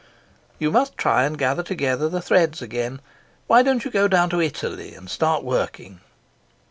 "You must try and gather together the threads again. Why don't you go down to Italy and start working?"